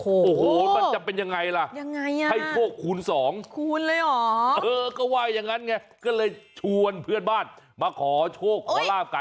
โอ้โหมันจะเป็นยังไงล่ะ